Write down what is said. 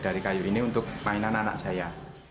dari kayu ini untuk mainan anak saya